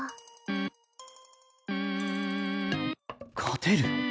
勝てる。